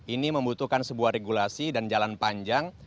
ini membutuhkan sebuah regulasi dan jalan panjang